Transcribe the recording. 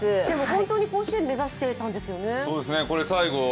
でも本当に甲子園目指していたんですよね。